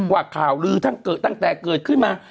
ว่าข่าวลือตั้งแต่เกิดขึ้นมา